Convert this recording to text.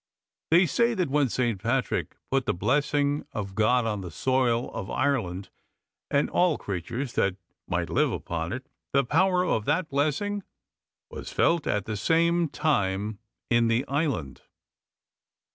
They say that when Saint Patrick put the blessing of God on the soil of Ireland and all creatures that might live upon it, the power of that blessing was felt at the same time in the Island.